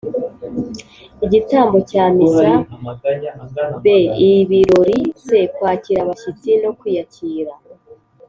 igitambo cya missa ; b) ibirori , c) kwakira abashyitsi no kwiyakira.